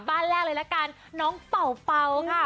บ้านแรกเลยละกันน้องเป่าเป่าค่ะ